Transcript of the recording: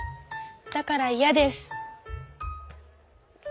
だからイヤです。